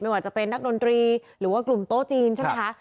ว่าจะเป็นนักดนตรีหรือว่ากลุ่มโต๊ะจีนใช่ไหมคะ